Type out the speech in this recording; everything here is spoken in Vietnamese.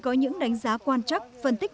có những đánh giá quan trắc phân tích